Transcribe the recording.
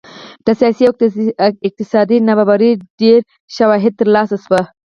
د سیاسي او اقتصادي نابرابرۍ ډېر شواهد ترلاسه شوي